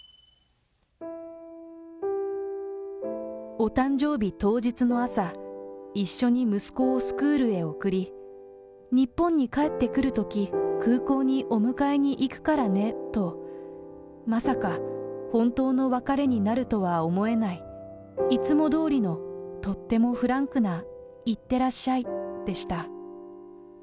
お誕生日当日の朝、一緒に息子をスクールへ送り、日本に帰ってくるとき、空港にお迎えにいくからねと、まさか、本当の別れになるとは思えない、いつもどおりのとってもフランクないってらっしゃいでした。